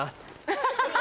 ハハハ！